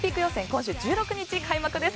今月１６日開幕です。